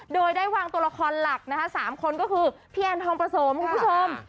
โดยได้วางตัวละครหลักนะคะ๓คนก็คือพี่แอนทองประสมคุณผู้ชม